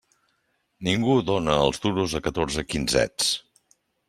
Ningú dóna els duros a catorze quinzets.